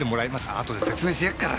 あとで説明してやっから。